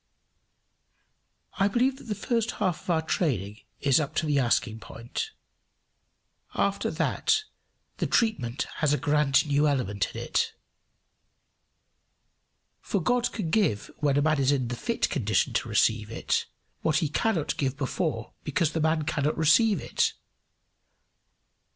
] I believe that the first half of our training is up to the asking point; after that the treatment has a grand new element in it. For God can give when a man is in the fit condition to receive it, what he cannot give before because the man cannot receive it.